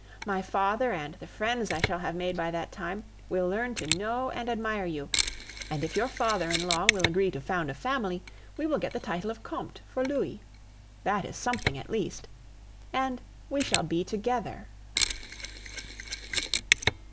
My father, and the friends I shall have made by that time, will learn to know and admire you; and if your father in law will agree to found a family, we will get the title of Comte for Louis. That is something at least! And we shall be together.